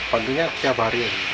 mandinya tiap hari